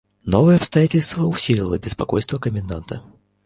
Новое обстоятельство усилило беспокойство коменданта.